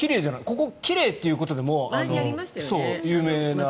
ここは奇麗ということでも有名な。